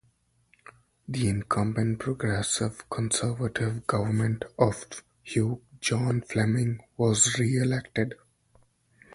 The incumbent Progressive Conservative government of Hugh John Flemming was re-elected.